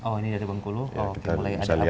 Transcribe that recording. oh ini dari bengkulu mulai ada abu abu ya